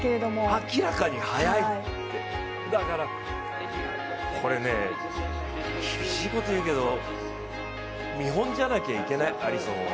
明らかに速いこれね厳しいこと言うけど見本じゃなきゃいけないアリソンは。